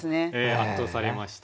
圧倒されました。